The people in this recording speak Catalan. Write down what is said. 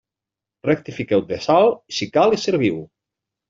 Rectifiqueu de sal si cal i serviu.